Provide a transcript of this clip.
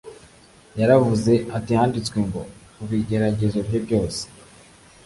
Yaravuze ati: "Handitswe ngo". Mu bigeragezo bye byose,